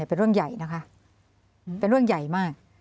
เป็นเรื่องใหญ่นะคะเป็นเรื่องใหญ่มาก